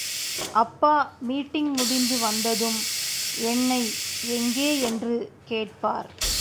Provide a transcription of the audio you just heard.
அப்பா மீட்டிங் முடிந்து வந்ததும், என்னை எங்கே என்று கேட்பார்.